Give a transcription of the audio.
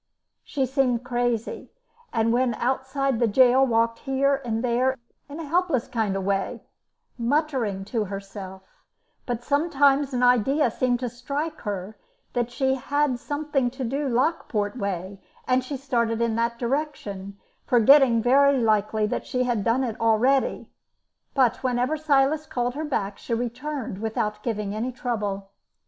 She seemed crazy, and when outside the gaol walked here and there in a helpless kind of way, muttering to herself; but sometimes an idea seemed to strike her that she had something to do Lockport way, and she started in that direction, forgetting very likely that she had done it already; but whenever Silas called her back, she returned without giving any trouble.